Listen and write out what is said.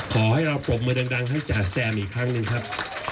ขอให้เราปรบมือดังให้จ๋าแซมอีกครั้งหนึ่งครับ